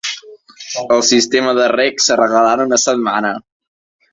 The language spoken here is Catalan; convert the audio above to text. El sistema de reg s'arreglarà en una setmana.